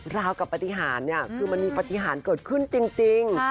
ราวกับปฏิหารเนี่ยคือมันมีปฏิหารเกิดขึ้นจริง